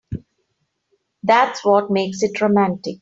That's what makes it romantic.